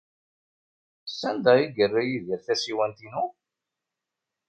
Sanda ay yerra Yidir tasiwant-inu?